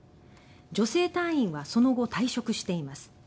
女性隊員はその後、退職しています。